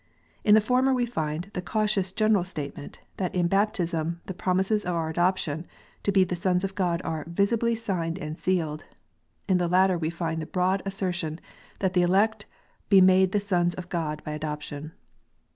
In the former we find the cautious general statement, that in baptism " the promises of our adoption to be the sons of God are visibly signed and sealed" In the latter we find the broad assertion that the elect " be made the sons of God by adoption."